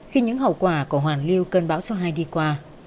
khi những hậu quả của hoàn lưu cơn bão số hai đi qua